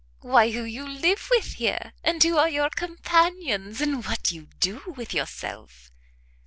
"Why, who you live with here, and who are your companions, and what you do with yourself."